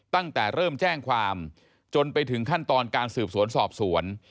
ตั้งแต่เริ่มแจ้งความจนไปถึงขั้นตอนการสืบสวนสอบสวน